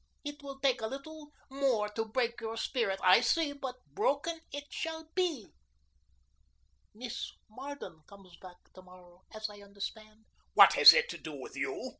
It will take a little more to break your spirit, I see, but broken it shall be. Miss Marden comes back to morrow, as I understand." "What has that to do with you?"